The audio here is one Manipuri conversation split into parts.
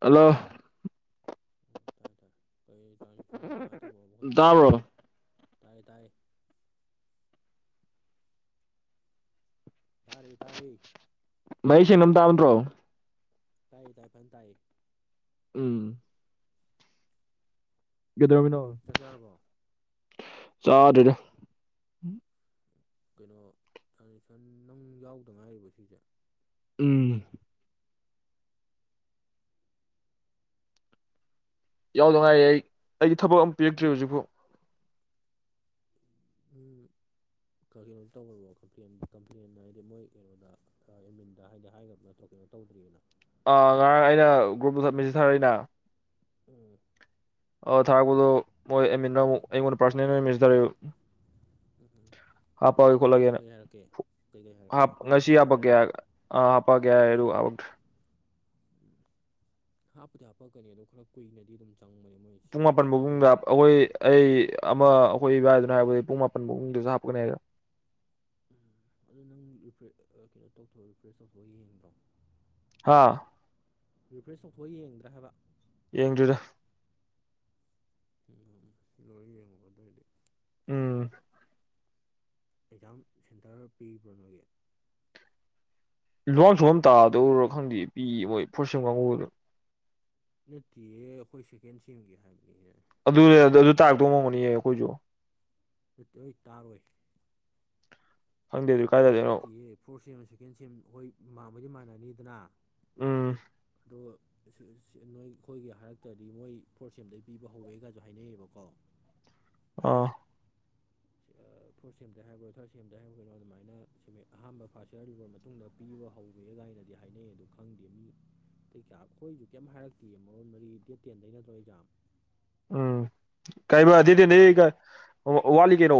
ꯍꯜꯂꯣ ꯑꯣ ꯇꯥꯏꯦ ꯇꯥꯏ ꯀꯔꯤ ꯇ꯭ꯔꯥꯟꯖꯦꯛꯁꯟ ꯀꯃꯥꯏꯅ ꯇꯧꯕꯅꯣꯕꯈꯣꯏꯅꯣ ꯇꯥꯕ꯭ꯔꯣ ꯇꯥꯏ ꯇꯥꯏꯌꯦ ꯇꯥꯔꯦ ꯇꯥꯔꯦ ꯃꯍꯩ ꯁꯦꯡꯅꯕ ꯇꯥꯕꯗ꯭ꯔꯣ ꯇꯥꯏꯌꯦ ꯇꯥꯏ ꯐ ꯇꯥꯏꯌꯦ ꯎꯝ ꯗꯔꯃꯤꯅ ꯆꯥꯛ ꯆꯥꯔꯕꯣ ꯆꯥꯗꯗ ꯀꯩꯅꯣ ꯁꯟꯁꯟ ꯅꯪ ꯌꯥꯎꯗ ꯉꯥꯏꯔꯤꯕ ꯁꯤꯁꯦ ꯎꯝ ꯌꯥꯎꯗꯉꯥꯏꯌꯦ ꯑꯩꯒꯤ ꯊꯕꯛ ꯑꯃ ꯄꯤꯔꯛꯇ꯭ꯔꯤ ꯍꯧꯖꯤꯛꯐꯥꯎ ꯀꯩꯅꯣ ꯇꯧꯕꯔꯕꯣ ꯀꯝꯄ꯭ꯂꯦꯟ ꯀꯝꯄ꯭ꯂꯦꯟ ꯍꯥꯏꯗꯤ ꯃꯣꯏ ꯀꯩꯅꯣꯗ ꯑꯦꯝꯃꯤꯟꯗ ꯍꯥꯏꯗꯤ ꯍꯥꯏꯈ꯭ꯔꯕꯅ ꯊꯣꯛꯀꯦꯅꯣ ꯇꯧꯗ꯭ꯔꯤꯕꯅ ꯑꯥ ꯉꯔꯥꯡ ꯑꯩꯅ ꯒ꯭ꯔꯨꯞꯇꯨ ꯊꯠꯃꯤꯟꯅꯁꯤ ꯁꯥꯔꯛꯏꯩꯅ ꯎꯝ ꯑ ꯊꯥꯔꯛꯄꯗꯣ ꯃꯣꯏ ꯑꯩꯉꯣꯟꯗ ꯄꯥꯔꯁꯣꯅꯦꯁ ꯇꯔꯦ ꯎꯝ ꯎꯝ ꯀꯩ ꯍꯥꯏꯔꯛꯀꯦ ꯀꯩꯀꯩ ꯍꯥ ꯍꯥꯏꯔꯛꯀꯦ ꯍꯥꯞꯄꯛꯑꯒꯦ ꯉꯁꯤ ꯈꯣꯠꯂꯛꯒꯦ ꯍꯥꯏꯔꯔꯣ ꯍꯥꯄꯒꯌꯥ ꯑꯥ ꯍꯥꯄꯒꯌꯥ ꯑꯦꯔ ꯎꯝ ꯍꯥꯞꯄꯗꯤ ꯍꯥꯞꯄꯛꯀꯅꯤ ꯑꯣ ꯈꯔ ꯀꯨꯏꯅꯗꯤ ꯑꯗꯨꯝ ꯆꯪꯕꯅꯦ ꯃꯣꯏ ꯄꯨꯡ ꯁꯤꯁꯦ ꯃꯥꯄꯟ ꯑꯩꯁꯨ ꯐꯥꯎꯕꯨꯡꯗ ꯑꯩꯈꯣꯏ ꯑꯩ ꯑꯃ ꯑꯩꯈꯣꯏ ꯏꯕꯥꯏꯗꯨꯅ ꯍꯥꯏꯕꯗ ꯄꯨꯡ ꯃꯥꯄꯟ ꯃꯗꯨꯁꯨ ꯍꯥꯞꯄꯀꯅꯤ ꯍꯥꯏꯔ ꯑꯗꯨ ꯅꯪ ꯀꯩꯅꯣ ꯇꯧꯊꯣꯛ ꯔꯤꯐ꯭ꯔꯦꯁ ꯇꯧꯊꯣꯛꯑ ꯌꯦꯡꯕ꯭ꯔꯣ ꯍꯥꯥ ꯔꯤꯐ꯭ꯔꯦꯁ ꯇꯧꯊꯑ ꯌꯦꯡꯗ꯭ꯔꯥ ꯍꯥꯏꯕ ꯌꯦꯡꯗ꯭ꯣꯏꯔꯥ ꯎꯝ ꯂꯣꯏ ꯌꯦꯡꯉꯣ ꯑꯗꯨꯗ ꯑꯣꯏꯏꯗꯤ ꯎꯝ ꯑꯦꯛꯖꯥꯝ ꯁꯦꯟꯇꯔ ꯄꯤꯕ꯭ꯔꯥ ꯅꯣꯏꯒꯤ ꯂꯣꯟ ꯁꯨꯝ ꯇꯥꯗꯧꯔꯣ ꯈꯪꯗꯦ ꯄꯤ ꯃꯣꯏ ꯐꯣꯔꯠꯁ ꯀꯥꯡꯉꯨꯗꯣ ꯅꯠꯇꯦꯌꯦ ꯑꯩꯈꯣꯏ ꯁꯦꯀꯦꯟ ꯁꯦꯝꯒꯦ ꯍꯥꯏꯕꯅꯤꯅ ꯑꯗꯨ ꯑꯗꯨ ꯇꯥꯔꯛꯇꯧ ꯃꯝꯃꯅꯤꯌꯦ ꯑꯩꯈꯣꯏꯁꯨ ꯑꯗꯨꯠꯇꯤ ꯑꯣꯏ ꯇꯥꯔꯣꯏ ꯐꯪꯗꯦꯣ ꯅꯠꯇꯦꯌꯦ ꯐꯣꯔꯠ ꯁꯦꯝ ꯁꯦꯀꯦꯟ ꯁꯦꯝ ꯍꯣꯏ ꯃꯕꯗꯤ ꯃꯥꯟꯅꯅꯤꯗꯅ ꯎꯝ ꯑꯗꯣ ꯅꯣꯏ ꯑꯩꯈꯣꯏꯒꯤ ꯍꯔꯛꯇꯗꯤ ꯃꯣꯏ ꯐꯣꯔꯠ ꯁꯦꯝꯗ ꯄꯤꯕ ꯍꯧꯋꯦꯒꯁꯨ ꯍꯥꯏꯅꯩꯌꯦꯕꯀꯣ ꯑ ꯐꯣꯔꯠ ꯁꯦꯝ꯭ꯗ ꯍꯥꯏꯕ꯭ꯔꯣ ꯊꯥꯔꯠ ꯁꯦꯝꯗ ꯍꯥꯏꯕ ꯀꯩꯅꯣ ꯑꯗꯨꯃꯥꯏꯅ ꯑꯍꯥꯟꯕ ꯐꯥꯔꯁ ꯌꯌꯥꯔ ꯂꯩꯕ ꯃꯇꯨꯡꯗ ꯄꯤꯕ ꯍꯧꯋꯦ ꯀꯥꯏꯅꯗꯤ ꯍꯥꯏꯅꯩ ꯑꯗ ꯈꯪꯗꯦ ꯃꯤ ꯀꯩꯀꯥ ꯑꯩꯈꯣꯏꯁꯨ ꯀꯩꯝ ꯍꯥꯏꯔꯛꯇꯦ ꯃꯔꯣꯟ ꯃꯔꯤ ꯗꯦꯠ ꯇꯦꯟꯗꯩ ꯅꯠꯇ꯭ꯔꯣ ꯑꯦꯖꯥꯝ ꯎꯝ ꯀꯥꯏꯃ ꯑꯗꯨꯗꯤ ꯃꯔꯣꯟ ꯃꯔꯤ ꯅꯒ ꯋꯥꯠꯂꯤ ꯀꯩꯅꯣ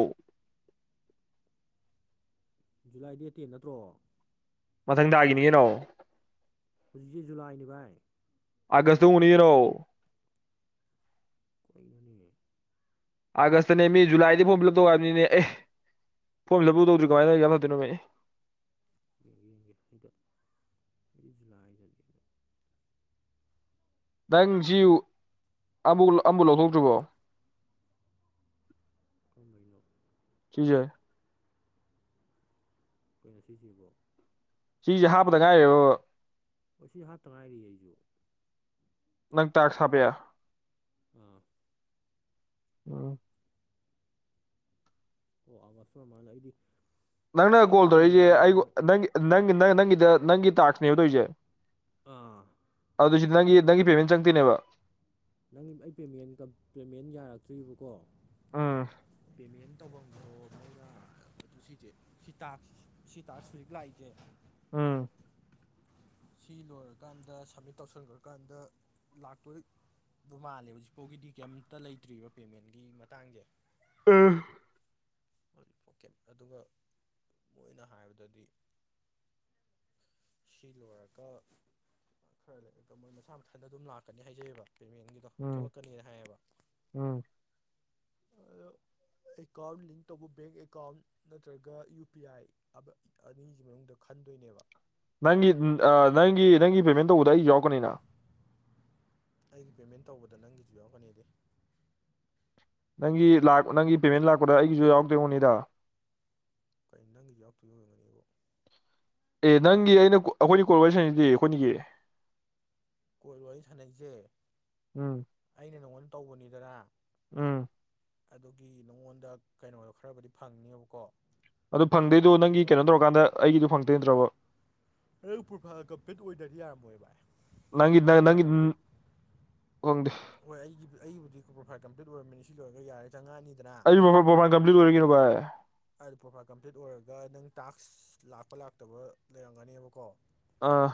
ꯖꯨꯂꯥꯏ ꯗꯦꯠꯇꯦꯟ ꯅꯠꯇ꯭ꯔꯣ ꯃꯊꯪ ꯇꯥꯒꯤꯅꯤꯉꯩꯅꯣ ꯍꯧꯖꯤꯛꯁꯦ ꯖꯨꯂꯥꯏꯅꯤ ꯚꯥꯏ꯫ ꯑꯒꯁꯇ ꯑꯣꯏꯔꯝꯒꯅꯤꯀꯩꯅꯣ꯫ ꯀꯩꯅꯣꯅꯦ꯫ ꯑꯥꯒꯁꯇꯅꯃꯤ ꯖꯨꯂꯥꯏꯗ ꯐꯣꯝ ꯐꯤꯂꯞ ꯇꯧꯌꯥꯗꯦꯅꯦ ꯑꯦ ꯐꯣꯝ ꯐꯤꯂꯞꯄꯧ ꯇꯧꯗ꯭ꯔꯤ ꯀꯃꯥꯏꯅ ꯑꯦꯛꯖꯥꯝ ꯊꯥꯗꯣꯏꯅꯣꯃꯦ꯫ ꯌꯦꯡꯒꯦ ꯌꯦꯡꯒꯦ ꯑꯝꯇ ꯍꯧꯖꯤꯛꯁꯦ ꯖꯨꯂꯥꯏ [unintelligible] ꯅꯪꯁꯤꯌꯨ ꯑꯝꯕꯧ ꯑꯝꯕꯧ ꯂꯧꯊꯣꯛꯇ꯭ꯔꯤꯕꯣ꯫ ꯀꯔꯝꯕꯩꯅꯣ꯫ ꯁꯤꯖꯦ꯫ ꯀꯩꯅꯣ ꯁꯤꯖꯦꯕꯣ꯫ ꯁꯤꯖꯦ ꯍꯥꯞꯄꯗ ꯉꯥꯏꯔꯤꯕꯕ꯫ ꯑꯣ ꯁꯤ ꯍꯥꯞꯇ ꯉꯥꯏꯔꯤꯌꯦ ꯑꯩꯖꯨ꯫ ꯅꯪ ꯇꯥꯛꯁ ꯍꯥꯞꯄꯑꯦ꯫ ꯑ꯫ ꯑ꯫ ꯑꯣ ꯑꯥ [unintelligible] ꯃꯥꯜꯂꯦ ꯑꯩꯗꯤ ꯅꯪꯅ ꯑꯩꯗꯤ ꯀꯣꯜ ꯇꯧꯔꯛꯏꯖꯦ ꯀꯩꯅꯣꯗꯅꯦꯅ ꯑꯩꯒꯣ ꯅꯪ ꯅꯪꯒꯤ ꯅꯪꯒꯤꯗ ꯅꯪꯒꯤ ꯇꯥꯛꯁꯅꯦꯕ ꯇꯧꯔꯤꯖꯦ꯫ ꯑꯥ꯫ ꯑꯗꯨ ꯁꯤ ꯅꯪꯒꯤ ꯅꯪꯒꯤ ꯄꯦꯃꯦꯟ ꯆꯪꯊꯣꯏꯅꯦꯕ꯫ ꯅꯪꯒꯤ ꯑꯩ ꯄꯦꯃꯦꯟ ꯌꯥꯔꯛꯇ꯭ꯔꯤꯕꯀꯣ꯫ ꯎꯝ ꯄꯦꯃꯦꯟ ꯇꯧꯐꯝꯗꯣ ꯃꯣꯏꯅ ꯁꯤꯖꯦ ꯁꯤꯇꯥꯛꯁ ꯁꯤꯇꯥꯛꯁ ꯍꯧꯖꯤꯛ ꯂꯥꯛꯏꯖꯦ ꯎꯝ꯫ ꯁꯤ ꯂꯣꯏꯒꯔꯀꯥꯟꯗ ꯁꯃꯤꯠ ꯇꯧꯁꯟꯒ꯭ꯔꯀꯥꯟꯗ ꯂꯥꯛꯇꯣꯏ ꯗꯨ ꯃꯥꯜꯂꯦ ꯍꯧꯖꯤꯛꯐꯥꯎꯒꯤꯗꯤ ꯀꯩꯝꯇ ꯂꯩꯇ꯭ꯔꯤꯕ ꯄꯦꯃꯦꯟꯒꯤ ꯃꯇꯥꯡꯖꯦ꯫ ꯑ ꯍꯧꯖꯤꯛꯄꯣꯀꯦꯠ ꯑꯗꯨꯒ ꯃꯣꯏꯅ ꯍꯥꯏꯕꯗꯗꯤ ꯁꯤ ꯂꯣꯏꯔꯒ ꯈꯔ ꯂꯩꯔꯒ ꯃꯣꯏ ꯃꯁꯥ ꯃꯊꯟꯗ ꯑꯗꯨꯝ ꯂꯥꯛꯀꯅꯤ ꯍꯥꯏꯖꯩꯑꯕ ꯄꯦꯃꯦꯟꯒꯤ ꯊꯣꯛꯂꯛꯀꯅꯤ ꯍꯥꯏꯌꯦꯕ ꯎꯝ ꯑꯗꯣ ꯑꯦꯀꯥꯎꯟ ꯂꯤꯡ ꯑꯇꯣꯞꯄ ꯕꯦꯡ ꯑꯦꯀꯥꯎꯟ ꯅꯠꯇ꯭ꯔꯒ ꯌꯨ ꯄꯤ ꯑꯥꯏ ꯑꯅꯤꯒꯤ ꯃꯅꯨꯡꯗ ꯈꯟꯗꯣꯏꯅꯦꯕ꯫ ꯅꯪꯒꯤ ꯑ ꯅꯪꯒꯤ ꯅꯪꯒꯤ ꯄꯦꯃꯦꯟ ꯇꯧꯕꯗ ꯑꯩꯒꯤꯖꯨ ꯌꯥꯎꯔꯛꯀꯅꯤꯅ꯫ ꯑꯩꯒꯤ ꯄꯦꯃꯦꯟ ꯇꯧꯕꯗ ꯅꯪꯒꯤꯖꯨ ꯌꯥꯎꯔꯛꯀꯅꯤꯗꯤ꯫ ꯅꯪꯒꯤ ꯂꯤꯛ ꯅꯪꯒꯤ ꯄꯦꯃꯦꯟ ꯂꯥꯛꯄꯗ ꯑꯩꯒꯤꯖꯨ ꯌꯥꯎꯗꯣꯏꯑꯣꯏꯔꯝꯅꯤꯗ꯫ ꯀꯩ ꯅꯪꯒꯤꯗꯤ ꯌꯥꯎꯔꯛꯇꯣꯏ ꯑꯣꯏꯔꯝꯒꯅꯤꯕꯣ꯫ ꯑꯦ ꯅꯪꯒꯤ ꯑꯩꯅ ꯑꯩꯈꯣꯏꯅꯤ ꯀꯣꯜ ꯋꯥꯔꯤ ꯁꯥꯟꯅꯩꯖꯤꯗꯤ ꯑꯩꯈꯣꯏꯅꯤꯒꯤ ꯀꯣꯜ ꯋꯥꯔꯤ ꯁꯥꯟꯅꯩꯖꯦ꯫ ꯎꯝ꯫ ꯑꯩꯅ ꯅꯪꯉꯣꯟꯗ ꯇꯧꯕꯅꯤꯗꯅ꯫ ꯎꯝ꯫ ꯑꯗꯨꯒꯤ ꯅꯉꯣꯟꯗ ꯀꯩꯅꯣꯗꯣ ꯈꯔꯕꯨꯗꯤ ꯐꯪꯅꯦꯕꯀꯣ꯫ ꯑꯗꯣ ꯐꯪꯗꯣꯏꯗꯣ ꯅꯪꯒꯤ ꯑꯗꯨꯒ ꯀꯩꯅꯣ ꯇꯧꯔꯀꯥꯟꯗ ꯑꯩꯒꯤꯗꯣ ꯐꯪꯉꯛꯇꯣꯏ ꯅꯠꯇ꯭ꯔꯣꯕ꯫ ꯅꯪꯗꯣ ꯄꯔꯣꯐꯥꯏꯜ ꯀꯝꯄ꯭ꯂꯤꯠ ꯑꯣꯏꯗ꯭ꯔꯗꯤ ꯌꯥꯔꯝꯃꯣꯏꯌꯦ ꯚꯥꯏ꯫ ꯅꯪꯒꯤ ꯅꯪ ꯄꯔꯣꯐꯥꯏꯜ ꯅꯪꯒꯤ ꯀꯝꯄ꯭ꯂꯤꯠ ꯈꯪꯗꯦ ꯍꯣꯏ ꯑꯩꯒꯤꯕꯨ ꯑꯩꯕꯨꯗꯤ ꯄ꯭ꯔꯣꯐꯥꯏꯜ ꯀꯝꯄ꯭ꯂꯤꯠ ꯑꯣꯏꯔꯝꯅꯤ ꯁꯤ ꯂꯣꯏꯔꯒ ꯌꯥꯔꯦ ꯆꯪꯉꯥꯅꯤ ꯑꯩꯖꯨ ꯄꯣ ꯄꯔꯣꯐꯥꯏꯜ ꯀꯝꯄ꯭ꯂꯤꯠ ꯑꯣꯏꯔꯦ ꯀꯩꯅꯣ ꯚꯥꯏ꯫ [unintelligible] ꯄ꯭ꯔꯣꯐꯥꯏꯜ ꯀꯝꯄ꯭ꯂꯤꯠ ꯑꯣꯏꯔꯒ ꯅꯪ ꯇꯥꯛꯁ ꯂꯥꯛꯄ ꯂꯥꯛꯇꯕ ꯂꯩꯔꯝꯒꯅꯦꯕꯀꯣ꯫ ꯑꯥ꯫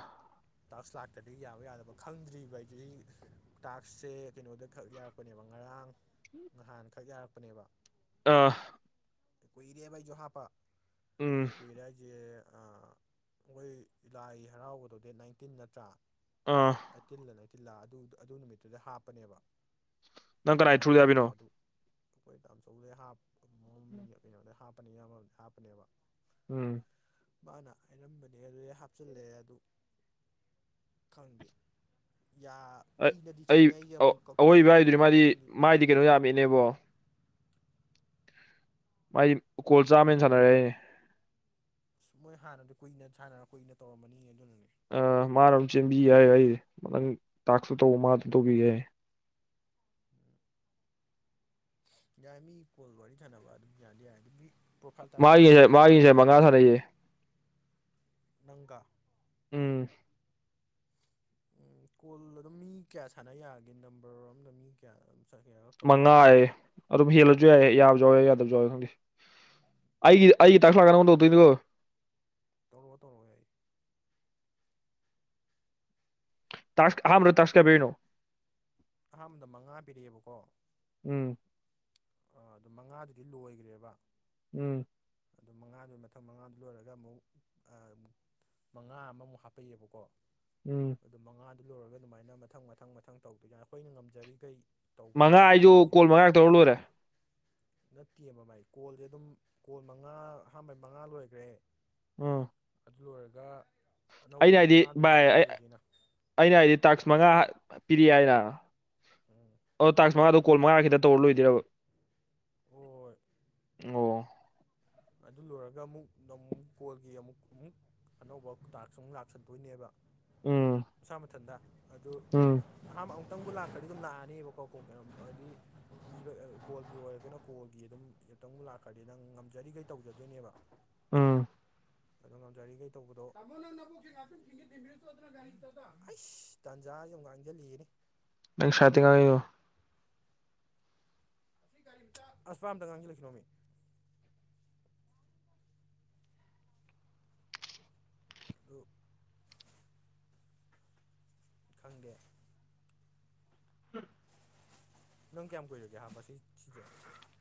ꯇꯥꯛꯁ ꯂꯥꯛ ꯑꯗꯒꯤ ꯌꯥꯕ ꯌꯥꯗꯕ ꯈꯪꯗ꯭ꯔꯤꯕ ꯑꯩꯒꯤ ꯇꯥꯛꯁꯁꯦ ꯀꯩꯅꯣꯗ ꯈꯛ ꯌꯥꯔꯛꯄꯅꯦꯕ ꯉꯔꯥꯡ꯫ ꯉꯍꯥꯟꯈꯛ ꯌꯥꯔꯛꯄꯅꯦꯕ꯫ ꯑꯥ ꯀꯣꯏꯔꯦꯕꯥ ꯑꯩꯁꯨ ꯍꯥꯄꯄꯥ ꯎꯝ ꯀꯨꯏꯔꯦ ꯍꯥꯏꯁꯦ ꯑꯩꯈꯣꯏ ꯂꯥꯏ ꯍꯔꯥꯎꯕꯗꯣ ꯗꯦꯠ ꯅꯥꯏꯟꯇꯤꯟ ꯅꯠꯇ꯭ꯔꯥ ꯑꯥ ꯑꯩꯇꯤꯜꯂ ꯅꯥꯏꯇꯤꯜꯂ ꯑꯗꯨ ꯑꯗꯨ ꯅꯨꯃꯤꯠꯇꯨꯗ ꯍꯥꯞꯄꯅꯦꯕ ꯅꯪ ꯀꯅꯥꯏ ꯈꯔ ꯌꯥꯝ ꯊ꯭ꯔꯨꯗ ꯌꯥꯕꯤꯅꯣ ꯀꯨꯏꯔꯦꯕ ꯑꯗꯨ ꯑꯩꯈꯣꯏ ꯇꯥꯃꯣꯆꯧꯗꯩ ꯍꯥꯞ ꯃꯝ ꯀꯩꯅꯣꯗꯩ ꯍꯥꯞꯄꯅꯤ ꯏꯌꯥꯝꯕꯝꯗꯤ ꯍꯥꯞꯄꯅꯦꯕ ꯎꯝ ꯃꯥꯅ ꯍꯥꯏꯔꯝꯕꯅꯦ ꯑꯗꯨ ꯑꯩ ꯍꯥꯞꯆꯤꯜꯂꯛꯑꯦ ꯑꯗꯨ ꯈꯪꯗꯦ ꯌꯥ ꯀꯨꯏꯅꯗꯤ ꯑꯩ ꯆꯪꯉꯦ ꯑꯩꯁꯦ ꯑꯃꯨꯛ ꯀꯛꯊꯣꯛ ꯑꯋꯣꯏꯕ ꯀꯛꯁꯤꯟ ꯍꯥꯏꯗꯨꯅꯤ ꯀꯛꯊꯣꯛ ꯃꯥꯗꯤ ꯀꯛꯁꯤꯟꯗꯤ ꯃꯥꯏꯗꯤ ꯀꯩꯅꯣ ꯌꯥꯝꯃꯤꯅꯦꯕꯣ ꯃꯥꯏ ꯀꯣꯜ ꯆꯥꯝꯃꯅ ꯁꯥꯟꯅꯔꯦꯅꯦ ꯑꯁ ꯃꯣꯏ ꯍꯥꯟꯅꯗꯤ ꯀꯨꯏꯅ ꯁꯥꯟꯅꯔ ꯀꯨꯏꯅ ꯇꯧꯔꯝꯃꯅꯤ ꯑꯗꯨꯅꯅꯦ ꯑ ꯃꯥꯅ ꯑꯃꯝ ꯆꯦꯟꯕꯤ ꯌꯥꯏ ꯑꯩ ꯅꯪ ꯇꯥꯛꯁꯨ ꯇꯧꯕ ꯃꯥꯗ ꯇꯧꯕꯤ ꯌꯥꯏ ꯌꯥꯏ ꯃꯤ ꯀꯣꯜꯋꯥꯔꯤ ꯁꯥꯅꯥꯕꯥ ꯑꯗꯨꯝ ꯌꯥꯏ ꯑꯗꯨ ꯃꯤ ꯄ꯭ꯔꯣꯐꯥꯏꯜ ꯇꯥꯏꯁ ꯀꯝꯄ꯭ꯂꯤꯠ ꯃꯥꯒꯤꯁꯦ ꯑꯣꯏꯕ ꯃꯥꯒꯤꯁꯦ ꯑꯣꯏꯗꯕ ꯑꯗꯨꯝ ꯃꯉꯥ ꯁꯥꯟꯅ ꯁꯥꯟꯅꯩꯌꯦ ꯅꯪꯒ ꯎꯝ ꯎꯝ ꯀꯣꯜ ꯑꯗꯨꯝ ꯃꯤ ꯀꯌꯥ ꯁꯥꯟꯅ ꯌꯥꯒꯦ ꯅꯝꯕꯔ ꯑꯝꯗ ꯃꯤ ꯀꯌꯥ ꯀꯌꯥꯔꯛ ꯇꯧ ꯃꯉꯥꯑ ꯌꯥꯖꯥꯠꯅꯣ ꯑꯗꯨꯝ ꯍꯦꯜꯂꯁꯨ ꯌꯥꯏꯌꯦ ꯌꯥꯕ ꯌꯥꯎ ꯌꯥꯏ ꯌꯥꯗꯕ ꯌꯥꯎꯋꯦ ꯈꯪꯗꯤ ꯑꯩꯒꯤ ꯑꯩꯒꯤ ꯇꯥꯛꯁꯂꯥꯛꯀ ꯅꯪꯉꯣꯟꯗꯧꯗꯣꯏꯅꯤꯒꯣ ꯇꯧꯔꯛꯑꯣ ꯇꯧꯔꯛꯑꯣ ꯌꯥꯏ ꯇꯥꯁꯀ ꯑꯍꯥꯟꯕꯗꯥ ꯇꯥꯁꯀ ꯀꯌꯥ ꯄꯤꯅꯣ ꯑꯍꯥꯟꯕꯗ ꯃꯉꯥ ꯄꯤꯔꯛꯑꯦꯕꯀꯣ ꯎꯝ ꯑꯥ ꯑꯗꯨ ꯃꯉꯥꯗꯨꯗꯤ ꯂꯣꯏꯒꯔꯦꯕ ꯎꯝ ꯑꯗꯨ ꯃꯉꯥꯗꯨ ꯃꯊꯪ ꯃꯉꯥꯗꯨ ꯂꯣꯏꯔꯒ ꯑꯃꯨꯛ ꯃꯉꯥ ꯑꯃꯃꯨꯛ ꯍꯥꯞꯄꯛꯏꯕꯀꯣ ꯎꯝ ꯑꯗꯨ ꯃꯉꯥꯗꯨ ꯂꯣꯏꯔꯒ ꯑꯗꯨꯃꯥꯏꯅ ꯃꯊꯪ ꯃꯊꯪ ꯃꯊꯪ ꯇꯧꯗꯣꯏ ꯀꯅ ꯑꯩꯈꯣꯏꯅ ꯉꯝꯖꯔꯤꯈꯩ ꯇꯧꯕ ꯌꯥꯏ ꯃꯉꯥ ꯑꯩꯁꯨ ꯍꯥꯏꯌꯦꯕ ꯁꯤꯁꯦ ꯀꯣꯜ ꯃꯉꯥꯒ ꯇꯧꯔ ꯂꯣꯏꯔꯦ ꯅꯠꯇꯦꯕ ꯃꯥꯏ ꯀꯣꯜꯁꯦ ꯑꯗꯨꯝ ꯀꯣꯜ ꯃꯉꯥ ꯑꯍꯥꯟꯕ ꯃꯉꯥ ꯂꯣꯏꯈ꯭ꯔꯦ ꯎꯝ ꯑꯗꯨ ꯂꯣꯏꯔꯒ ꯑꯩꯅ ꯑꯅꯧꯕ ꯍꯥꯏꯗꯤ ꯃꯉꯥꯗꯨꯅꯦ ꯚꯥꯏ ꯄꯨꯡ ꯇꯧꯔꯤꯁꯤꯅ ꯑꯩꯅ ꯍꯥꯏꯗꯤ ꯇꯥꯛꯁ ꯃꯉꯥ ꯄꯤꯔꯤ ꯍꯥꯏꯅ ꯎꯝ ꯑꯣ ꯇꯥꯥꯛ ꯃꯉꯥꯗꯣ ꯀꯣꯜꯉꯥꯈꯤꯇ ꯇꯧꯔ ꯂꯣꯏꯗ꯭ꯏꯔꯕ ꯑꯣ ꯑꯣ ꯑꯗꯨ ꯂꯣꯏꯔꯒ ꯑꯃꯨꯛ ꯅꯨꯛ ꯐꯣꯜꯒꯤ ꯑꯃꯨꯛ ꯑꯃꯨꯛ ꯑꯅꯧꯕꯇꯥꯛꯁ ꯑꯃꯨꯛ ꯂꯥꯛꯁꯟꯗꯣꯏꯅꯦꯕ ꯎꯝ ꯃꯥ ꯃꯊꯟꯗ ꯑꯗꯨ ꯎꯝ ꯑꯅꯥ ꯑꯃꯨꯛꯇꯪꯕꯨ ꯂꯥꯛꯄꯗꯤ ꯑꯗꯨꯝ ꯥꯛꯑꯅꯦꯕꯀꯣ ꯀꯣ ꯃꯌꯥꯝ ꯍꯥꯏꯗꯤꯕ ꯀꯣꯜꯒꯤ ꯑꯣꯏꯔꯒꯅ ꯀꯣꯜꯒꯤ ꯑꯗꯨꯝ ꯑꯨꯛꯇꯪ ꯂꯥꯛꯈ꯭ꯔꯗꯤ ꯅꯪ ꯉꯝꯖꯔꯤꯈꯩ ꯇꯧꯖꯗꯣꯏꯅꯦꯕ ꯎꯝ [unintelligible] ꯇꯥꯟꯖꯥ ꯑꯃꯨꯛ ꯉꯥꯡꯁꯤꯜꯂꯛꯑꯥꯅꯤ [unintelligible] ꯑꯁ ꯄꯥꯑꯥꯝꯗ ꯉꯥꯡꯪꯒꯤꯜꯂꯛꯅꯣꯃꯤ [unintelligible] ꯈꯪꯗꯦ [unintelligible] ꯅꯪ ꯀꯌꯥꯝ ꯀꯨꯏꯔꯒꯦ ꯍꯥꯞꯄꯁꯤ ꯁꯤꯁꯦ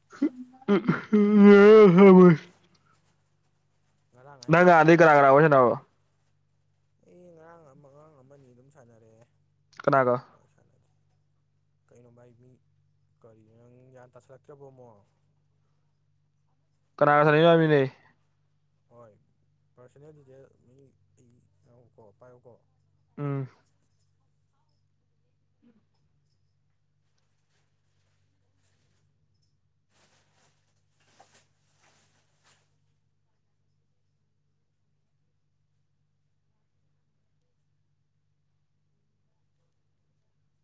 [unintelligible] ꯉꯔꯥꯡ ꯍꯥꯏꯔꯣ ꯅꯪ ꯃꯍꯜꯗꯩꯩ ꯀꯅꯥ ꯀꯥꯅꯥ ꯋꯥꯔꯤ ꯁꯥꯕꯣ ꯑꯩ ꯉꯔꯥꯡ ꯑꯃ ꯑꯉꯥꯡ ꯑꯃꯅꯤ ꯑꯗꯨꯝ ꯁꯥꯟꯅꯔꯛꯑꯦ ꯑꯇꯩ ꯀꯅꯥꯒ ꯑꯩꯒꯤ ꯄꯥꯛ ꯁꯥꯟꯅꯗꯦ ꯀꯩꯅꯣ ꯚꯥꯏ ꯃꯤ ꯀꯔꯤ ꯅꯪ ꯒ꯭ꯌꯥꯟ ꯇꯥꯁꯜꯂꯛꯇ꯭ꯔꯕꯣꯃꯣ [unintelligible] ꯍꯣꯏ ꯄꯥꯔꯁꯣꯅꯦꯜ ꯗꯤꯇꯦꯜ ꯃꯤ ꯑꯩꯀꯣ ꯄꯥꯏꯌꯨꯀꯣ ꯎꯝ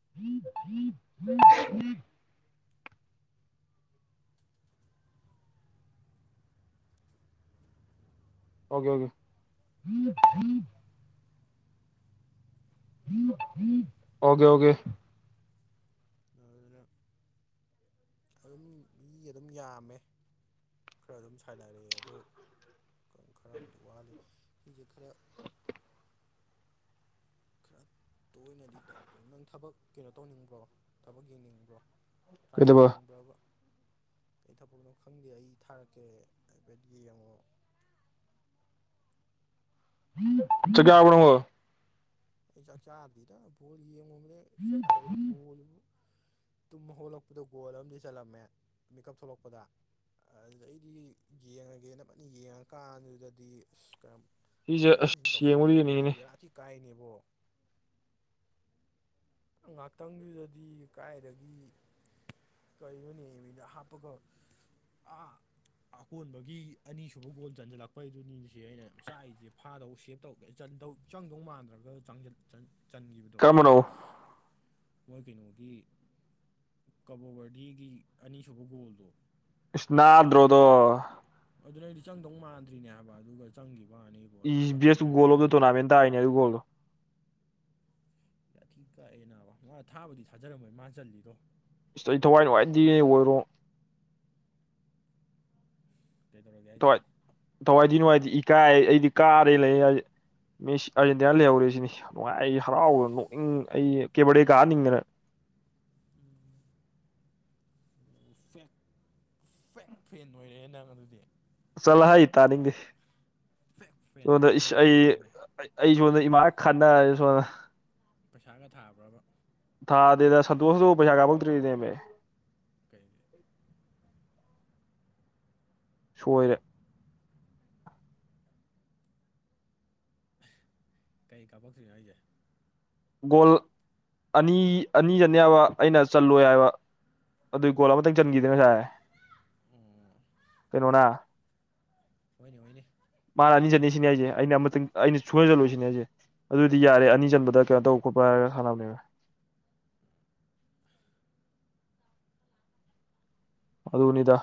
[unintelligible] ꯑꯣꯀꯦ ꯑꯣꯀꯦ [unintelligible] [unintelligible] ꯑꯗꯨꯝ ꯃꯤ ꯑꯗꯨꯝ ꯌꯥꯝꯃꯦ ꯈꯔ ꯑꯗꯨꯝ ꯁꯥꯏꯅꯔꯛꯑꯦ ꯑꯗꯣ ꯈꯔꯕꯨꯗꯤ ꯋꯥꯂꯤ ꯁꯤꯁꯦ ꯈꯔ ꯈꯔ ꯇꯣꯏꯅꯗꯤ ꯇꯧꯗꯣ ꯅꯪ ꯊꯕꯛ ꯀꯩꯅꯣ ꯇꯧꯅꯤꯡꯕ꯭ꯔꯣ ꯊꯕꯛ ꯌꯦꯡꯅꯤꯡꯕ꯭ꯔꯣ ꯇ꯭ꯔꯥꯏ ꯀꯩꯗꯧꯕ ꯇꯧꯅꯤꯡꯕ꯭ꯔꯕ ꯑꯩ ꯊꯕꯛꯅꯣ ꯈꯪꯗꯦ ꯑꯩ ꯊꯥꯔꯛꯀꯦ ꯍꯥꯏꯐꯦꯠ ꯌꯦꯡꯉꯣ ꯆꯥꯛ ꯆꯔꯕꯣ ꯅꯪꯕꯨ ꯑꯩ ꯆꯥꯛ ꯆꯥꯗꯔꯤꯗꯔ ꯕꯣꯜ ꯌꯦꯡꯉꯨꯕꯅꯤ [unintelligible] ꯇꯨꯝ ꯍꯧꯣꯂꯛꯄꯗ ꯒꯣꯜ ꯑꯃꯗꯤ ꯆꯜꯂꯝꯃꯦ ꯃꯤꯀꯞ ꯊꯣꯛꯂꯛꯄꯗ ꯑꯗꯨꯗ ꯑꯩꯗꯤ ꯌꯦꯡꯉꯒꯦ ꯅ ꯑꯃꯅ ꯌꯦꯡꯉꯀꯥꯟꯗꯨꯗꯗꯤ ꯑꯁ ꯀꯩꯅꯣ ꯁꯤꯁꯦ ꯍꯟꯇꯣꯛ ꯍꯟꯖꯤꯟ ꯑꯁ ꯌꯦꯡꯕꯨꯗꯤ ꯇꯧꯁꯤꯜꯂꯛꯄꯗꯨꯗꯤ ꯌꯦꯡꯅꯤꯡꯉꯤꯅꯦ ꯕꯦꯔꯥꯇꯤ ꯀꯥꯏꯅꯦꯕꯣ ꯉꯥꯛꯇꯪꯗꯨꯗꯗꯤ ꯀꯥꯏꯗꯒꯤ [unintelligible] ꯍꯥꯞꯄꯀ ꯑꯥ ꯑꯀꯣꯟꯕꯒꯤ ꯑꯅꯤꯁꯨꯕ ꯒꯣꯜ ꯆꯟꯖꯜꯂꯛꯄꯩꯗꯨꯅꯤꯁꯦ ꯑꯩꯅ ꯆꯥꯛꯔꯤꯁꯦ ꯐꯥꯗꯧ ꯁꯦꯞ ꯇꯧ ꯆꯟꯗꯧ ꯆꯪꯗꯧ ꯃꯥꯟꯗ꯭ꯔꯒ ꯆꯟꯈꯤꯕꯗꯣ ꯀꯔꯝꯕꯅꯣ ꯑꯁ ꯃꯣꯏ ꯀꯩꯅꯣꯒꯤ ꯀꯕꯣ ꯕꯔꯗꯤꯒꯤ ꯑꯅꯤꯁꯨꯕ ꯒꯣꯜꯗꯣ ꯏꯁ ꯅꯥꯟꯗ꯭ꯔꯣ ꯑꯗꯣ ꯑꯗꯨꯅ ꯑꯩꯗꯤ ꯆꯪꯗꯧ ꯃꯥꯟꯗ꯭ꯔꯤꯅꯦ ꯍꯥꯏꯕ ꯑꯗꯨꯒ ꯆꯪꯈꯤꯕꯅꯤ is best goal of the tournament ꯇꯥꯏꯅꯦ ꯑꯗꯨ ꯕꯣꯜꯗꯣ ꯌꯥꯥꯊꯤ ꯀꯛꯑꯦ ꯕ ꯃꯥ ꯊꯥꯕꯗꯤ ꯊꯥꯖꯔꯝꯃꯣꯏ ꯃꯥ ꯆꯜꯂꯤꯜꯂꯤꯗꯣ ꯁꯤꯇ ꯑꯩ ꯊꯋꯥꯏ ꯅꯨꯡꯉꯥꯏꯇꯅꯦ ꯍꯣꯏꯔꯣꯡ ꯀꯩꯗꯧꯔꯒꯦ ꯍꯥꯏꯁꯦ ꯊꯋꯥꯏ ꯊꯋꯥꯏꯗꯤ ꯅꯨꯡꯉꯥꯏꯇꯗꯤ ꯏꯀꯥꯏ ꯑꯩꯗꯤ ꯀꯥꯔꯦ ꯂꯩ ꯃꯤ ꯑꯥꯔꯖꯦꯟꯇꯤꯅꯥ ꯂꯩꯍꯧꯔꯤꯁꯤꯅꯤ ꯅꯨꯡꯉꯥꯏ ꯑꯩ ꯍꯔꯥꯎꯕꯗ ꯅꯣꯛꯅꯤꯡ ꯑꯩ ꯀꯦꯕꯔꯗꯦ ꯀꯥꯅꯤꯡꯗꯅ ꯐꯦꯛ ꯐꯦꯛ ꯐꯦꯟ ꯑꯣꯏꯔꯦ ꯅꯪ ꯑꯗꯨꯗꯤ ꯆꯠꯂ ꯍꯥꯏ ꯇꯥꯅꯤꯡꯗꯦ ꯐꯦꯛ ꯐꯦꯟ ꯁꯣꯟꯗ ꯑꯣꯏ ꯑꯩ ꯂꯩꯔꯝꯃꯦꯅꯦ ꯑꯩ ꯁꯣꯝꯗ ꯏꯃꯥ ꯈꯠꯅꯥ ꯁꯣꯝꯗ ꯄꯩꯁꯥꯒ ꯊꯥꯕ꯭ꯔꯕ ꯊꯥꯗꯦꯗꯥ ꯁꯟꯇꯣꯁꯇꯣ ꯄꯩꯁꯥ ꯀꯄꯥꯛꯇꯔꯤꯅꯦꯃꯦ ꯀꯩꯒꯤ ꯁꯣꯏꯔꯦ ꯀꯩ ꯀꯥꯞꯄꯛꯇ꯭ꯔꯤꯅꯣ ꯍꯥꯏꯁꯦ ꯒꯣꯜ ꯑꯅꯤ ꯑꯅꯤ ꯆꯅꯤꯕ ꯑꯩꯅ ꯆꯜꯂꯣꯏ ꯍꯥꯏꯕ ꯑꯗꯨꯏ ꯒꯣꯜ ꯑꯃꯇꯪ ꯆꯟꯈꯤꯗꯅ ꯉꯥꯁꯥꯏ ꯎꯝ ꯍꯣꯏꯅꯦ ꯍꯣꯏꯅꯦ ꯃꯥꯅ ꯑꯅꯤ ꯆꯟ ꯁꯤꯅꯦ ꯍꯥꯏꯁꯦ ꯑꯩꯅ ꯑꯃꯇꯪ ꯑꯩꯅ ꯁꯨꯅ ꯆꯜꯂꯨꯁꯤꯅꯦ ꯍꯥꯏꯁꯦ ꯑꯗꯨꯗꯤ ꯌꯥꯔꯦ ꯑꯅꯤ ꯆꯟꯕꯗ ꯀ ꯇꯧ ꯈꯠꯄ ꯍꯥꯏꯔꯒ ꯁꯥꯟꯅꯦꯕ ꯑꯗꯨꯗꯅꯤꯗ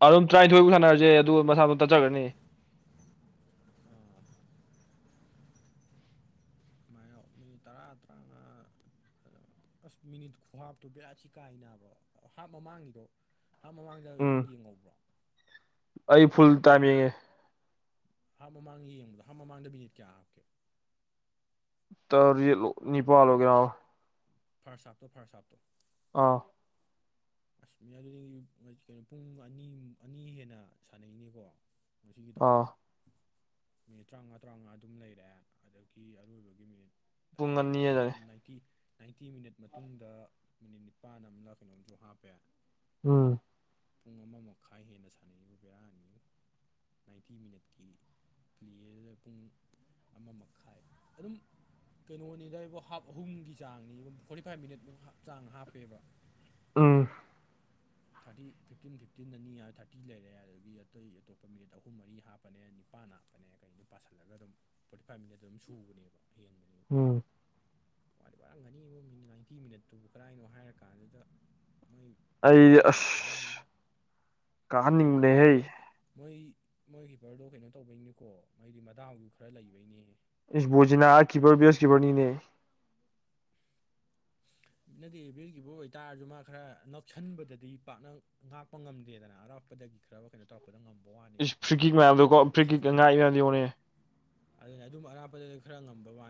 ꯑ ꯑꯗꯨꯝ ꯇꯔꯥꯅꯤꯊꯣꯏꯐꯥꯎ ꯁꯥꯟꯅꯔꯁꯦ ꯀꯣ ꯑꯗꯨ ꯃꯁꯥꯃꯛ ꯆꯠꯆꯈ꯭ꯔꯅꯤ ꯃꯥꯌꯣꯛ ꯃꯤ ꯇꯔꯥ ꯇꯔꯥꯉꯥ ꯑꯁ ꯃꯤꯅꯤꯠ ꯈꯨꯍꯥꯞꯇꯣ ꯕꯔꯠꯁꯤ ꯀꯥꯏ ꯅꯥꯕ ꯍꯥꯞ ꯃꯃꯥꯡꯒꯤꯗꯣ ꯍꯥꯞ ꯃꯃꯥꯡꯗ ꯎꯝ ꯅꯪ ꯌꯦꯡꯍꯧꯕ꯭ꯔꯣ ꯑꯩ ꯐꯨꯜ ꯇꯥꯝ ꯌꯦꯡꯉꯦ ꯍꯥꯞ ꯃꯃꯥꯡ ꯌꯦꯡꯕꯗꯣ ꯍꯥꯞ ꯃꯃꯥꯡꯗ ꯕꯤꯅꯦꯠ ꯀꯌꯥ ꯍꯥꯞꯀꯦ ꯇ ꯅꯅꯤꯄꯥꯜ ꯑꯣꯏꯒꯦꯔ ꯐꯥꯔꯁꯥꯞꯇꯣ ꯐꯔꯁꯥꯞꯇꯣ ꯑꯥ ꯑꯁꯃꯤꯌꯥ ꯑꯗꯨꯗꯤ ꯀꯩꯅꯣ ꯄꯨꯡ ꯑꯅꯤ ꯑꯅꯤ ꯍꯦꯟꯅ ꯁꯥꯟꯅꯩꯅꯦꯀꯣ ꯉꯒꯤꯗꯣ ꯑꯥ ꯃꯤꯅꯤꯠ ꯇꯔꯥꯃꯉꯥ ꯇꯔꯥꯃꯉꯥ ꯑꯗꯨꯝ ꯂꯩꯔꯛꯑꯦ ꯑꯗꯒꯤ ꯑꯔꯣꯏꯕꯒꯤ ꯃꯤꯅꯤꯠ ꯄꯨꯡ ꯍꯥꯞ ꯑꯅꯤ ꯑꯗꯥꯏ ꯅꯥ ꯐꯇꯤ ꯅꯥꯏꯟꯇꯤ ꯃꯤꯅꯠ ꯃꯇꯨꯡꯗ ꯃꯤꯅꯤꯠ ꯅꯤꯄꯥꯟ ꯑꯃꯅ ꯀꯩꯅꯣꯝꯁꯨ ꯍꯥꯞꯄꯦ ꯎꯝ ꯄꯨꯡ ꯑꯃ ꯃꯈꯥꯏ ꯍꯦꯟꯅ ꯁꯥꯟꯅꯔꯤꯕ ꯕꯦꯔꯥ ꯑꯅꯤꯌꯨ ꯅꯥꯏꯟꯇꯤ ꯃꯤꯅꯠꯀꯤ ꯄ꯭ꯂꯦꯗꯨꯗ ꯄꯨꯡ ꯑꯃ ꯃꯈꯥꯏ ꯑꯗꯨꯝ ꯀꯩꯅꯣꯅꯤꯗꯕꯨ ꯍꯥꯞ ꯑꯍꯨꯝꯒꯤ ꯆꯥꯡꯅꯤ ꯐꯣꯔꯇꯤ ꯐꯥꯏꯚ ꯃꯤꯅꯤꯠꯃꯨꯛꯞ ꯆꯥꯡ ꯍꯥꯞꯄꯦꯕ ꯎꯝ ꯊꯥꯔꯇꯤ ꯐꯤꯞꯇꯤꯟ ꯐꯤꯞꯇꯤꯟ ꯑꯅꯤ ꯊꯥꯔꯇꯤ ꯂꯩꯔꯦ ꯑꯗꯒꯤ ꯑꯇꯩ ꯑꯇꯣꯞ ꯃꯤꯅꯤꯠ ꯑꯍꯨꯝ ꯃꯔꯤ ꯍꯥꯞ ꯐꯅꯦꯛ ꯅꯤꯄꯥꯅ ꯐꯅꯦꯛ ꯀꯩꯅꯤ ꯄꯥꯁꯜꯂꯒ ꯑꯗꯨꯝ ꯐꯣꯔꯇꯤ ꯐꯥꯏꯚ ꯃꯤꯅꯠ ꯑꯗꯨꯝ ꯁꯨꯕꯅꯦꯕ ꯍꯦꯟꯕꯅꯤ ꯎꯝ ꯋꯥꯔꯝꯒꯅꯤ ꯃꯤ ꯅꯥꯏꯟꯇꯤ ꯃꯤꯅꯠꯇꯨꯕꯨ ꯀꯗꯥꯥꯏꯅꯣ ꯍꯥꯏꯔ ꯀꯥꯟꯗꯨꯗ ꯃꯣꯏ ꯑꯩ ꯗꯥꯎ ꯑꯁ ꯂꯩꯇꯕꯩꯅꯤ ꯂꯩꯇꯕ ꯀꯥꯍꯟꯅꯤꯡꯕꯅꯦꯍꯦ ꯍꯥꯏꯁꯦ ꯃꯣꯏ ꯃꯣꯏ ꯀꯤꯄꯔꯗꯣ ꯀꯩꯅꯣ ꯇꯧꯕꯩꯅꯤꯀꯣ ꯃꯣꯏꯗꯤ ꯃꯗꯥꯥꯎꯗꯨ ꯈꯔ ꯂꯩꯕꯩꯅꯦ ꯏꯁ ꯕꯣꯖꯤꯅꯥ ꯀꯤꯄꯔ ꯕꯦꯁ ꯀꯤꯄꯔꯅꯤꯅꯦ [inaudible] ꯅꯠꯇꯦ ꯕꯤꯔꯈꯤꯕ ꯑꯣꯏꯇꯥꯔꯁꯨ ꯃꯥ ꯈꯔ ꯅꯧꯁꯟꯕꯗꯗꯤ ꯄꯥꯛꯅ ꯉꯥꯛꯄ ꯉꯝꯗꯦꯗꯅ ꯑꯔꯥꯞꯄꯗꯒꯤ ꯈꯔ ꯀꯩꯅꯣ ꯇꯧꯔꯛꯄꯗ ꯉꯝꯕ ꯋꯥꯅꯤ ꯏꯁ ꯐ꯭ꯔꯤ ꯀꯤꯛ ꯈꯔ ꯃꯌꯥꯝꯗꯣꯀꯣ ꯐ꯭ꯔꯤ ꯀꯤꯛ ꯉꯥꯛꯏ ꯊꯥꯖꯤꯜꯂꯛꯄꯗ ꯃꯌꯥꯝꯗꯣ ꯌꯦꯡꯉꯨꯅꯦ ꯑꯗꯨꯅ ꯑꯗꯨꯝ ꯑꯔꯥꯞꯄꯗꯗꯤ ꯈꯔ ꯉꯝꯕ ꯃꯥꯅꯤ